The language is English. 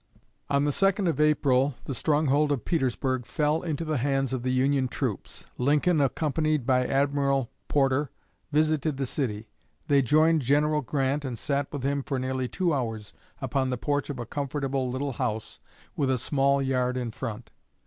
On the 2d of April the stronghold of Petersburg fell into the hands of the Union troops. Lincoln, accompanied by Admiral Porter, visited the city. They joined General Grant, and sat with him for nearly two hours upon the porch of a comfortable little house with a small yard in front.